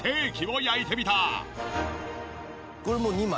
これもう２枚？